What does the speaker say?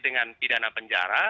dengan pidana penjara